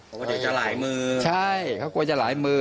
เขาก็จะจะหลายมือใช่เขากลัวจะหลายมือ